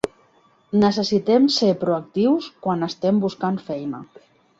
Necessitem ser proactius quan estem buscant feina.